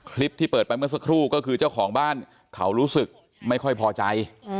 คลิปที่เปิดไปเมื่อสักครู่ก็คือเจ้าของบ้านเขารู้สึกไม่ค่อยพอใจ